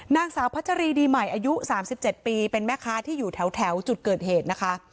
นางสาวพัชรีดีใหม่อายุ๓๗ปีเป็นแม่ค้าที่อยู่แถวจุดเกิดเหตุนะคะ